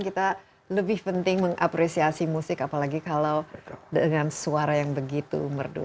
kita lebih penting mengapresiasi musik apalagi kalau dengan suara yang begitu merdu